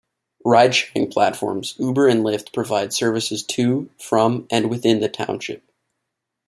Ridesharing platforms Uber and Lyft provide services to, from and within the township.